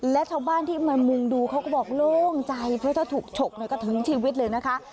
และชาวบ้านที่มามุงดูเขาก็บอกโล่งใจเพราะถ้าถูกฉกก็ถึงชีวิตเลยนะคะ